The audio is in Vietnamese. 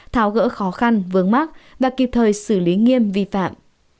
tháo gỡ khó khăn vướng mắt và kịp thời xử lý nghiêm vi phạm